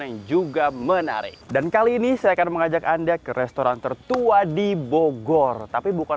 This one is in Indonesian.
yang juga menarik dan kali ini saya akan mengajak anda ke restoran tertua di bogor tapi bukan